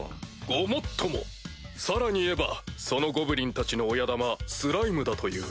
ごもっともさらに言えばそのゴブリンたちの親玉スライムだという。